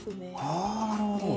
あなるほど！